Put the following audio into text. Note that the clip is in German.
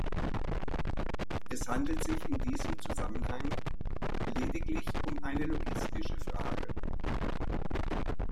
Es handelt sich in diesem Zusammenhang lediglich um eine logistische Frage.